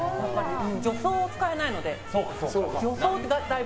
助走を使えないので。